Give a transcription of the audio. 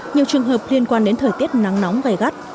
nhiều trường hợp liên quan đến thời tiết nắng nóng gai gắt